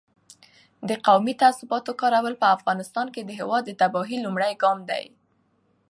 د قومي تعصباتو کارول په سیاست کې د هېواد د تباهۍ لومړی ګام دی.